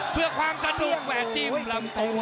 เพื่อความสนุกแหวะจิ้ม